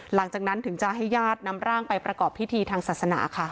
หลังจากนั้นถึงจะให้ญาตินำร่างไปประกอบพิธีทางศาสนาค่ะ